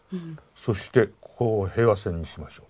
そしてここを平和線にしましょうと。